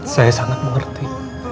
saya sangat mengerti